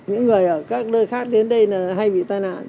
những người ở các nơi khác đến đây hay bị tai nạn